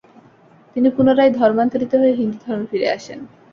তিনি পুনরায় ধর্মান্তরিত হয়ে হিন্দু ধর্মে ফিরে আসেন।